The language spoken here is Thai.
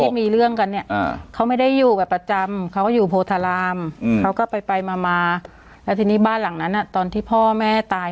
ที่มีเรื่องกันเนี่ยเขาไม่ได้อยู่แบบประจำเขาก็อยู่โพธารามเขาก็ไปไปมามาแล้วทีนี้บ้านหลังนั้นตอนที่พ่อแม่ตาย